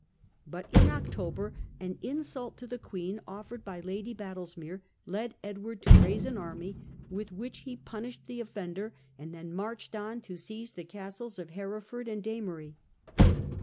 But in October an insult to the queen offered by Lady Badlesmere led Edward to raise an army, with which he punished the offender and then marched on to seize the castles of Hereford and D'Amory.